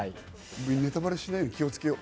ネタバレしないように気をつけよう。